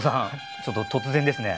ちょっと突然ですね。